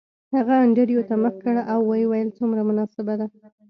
هغه انډریو ته مخ کړ او ویې ویل څومره مناسبه ده